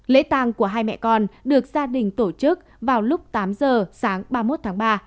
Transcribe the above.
lễ tàng của hai mẹ con được gia đình tổ chức vào lúc tám giờ sáng ba mươi một tháng ba